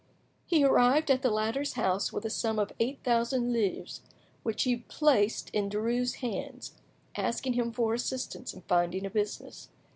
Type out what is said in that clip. He arrived at the latter's house with a sum of eight thousand livres, which he placed in Derues' hands, asking him for assistance in finding a business.